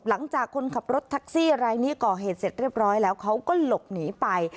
หลังจากคนขับรถแท็กซี่รายนี้ก่อเหตุเสร็จเรียบร้อยแล้วเขาก็หลบหนีไป